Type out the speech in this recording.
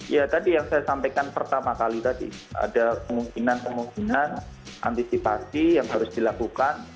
ya tadi yang saya sampaikan pertama kali tadi ada kemungkinan kemungkinan antisipasi yang harus dilakukan